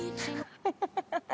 フフフフ！